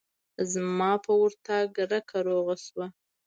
زما په ورتگ رکه روغه سوه.